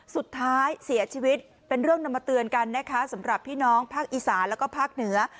สุดท้ายเสียชีวิตเป็นเรื่องนำมาเตือนกันนะคะสำหรับพี่น้องภาคอีสานแล้วก็ภาคเหนือ